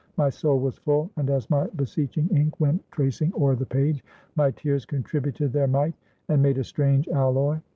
My soul was full; and as my beseeching ink went tracing o'er the page, my tears contributed their mite, and made a strange alloy.